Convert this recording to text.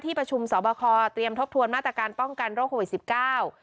ที่ประชุมสอบคละเตรียมทบทวนมาตรการป้องกันโรคโรคชีวิต๑๙